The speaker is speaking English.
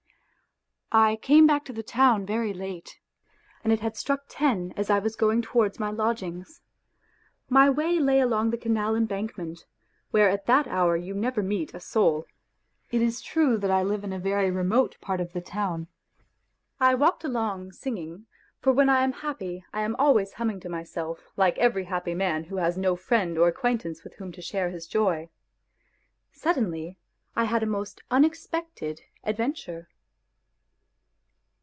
I came back to the town very late, and it had struck ten as I was going towards my lodgings. My way lay along the canal embankment, where at that hour you never meet a soul. It is true that I live in a very remote part of the town. I walked along singing, for when I am happy I am always humming to myself like every happy man who has no friend or acquaintance with whom to share his joy. Suddenly I had a most unexpected adventure.